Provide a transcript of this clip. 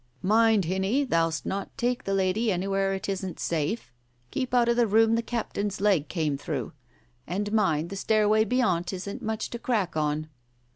"Mind, hinny, thou'st not take the lady anywhere it isn't safe. Keep out of the room the captain's leg came through. And mind, the stairway beyont isn't much to crack on."